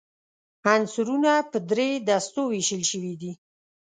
عنصرونه په درې دستو ویشل شوي دي.